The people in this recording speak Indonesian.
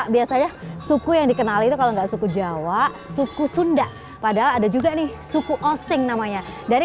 pada saat itu kalau enggak suku jawa suku sunda padahal ada juga nih suku osing namanya dari